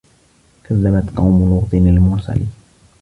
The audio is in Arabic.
كَذَّبَت قَومُ لوطٍ المُرسَلينَ